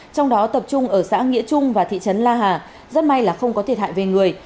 trong đó tập trung ở xã nghĩa trung và thị trấn la hà rất may là không có thiệt hại về người